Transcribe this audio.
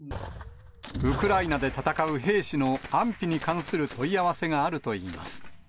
ウクライナで戦う兵士の安否に関する問い合わせがあるといいます。